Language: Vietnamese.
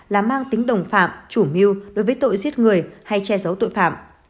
là mang tính đồng phạm chủ mưu đối với tội giết người hay che giấu tội phạm